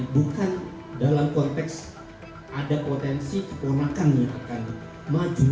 bukan dalam konteks ada potensi keponakan yang akan maju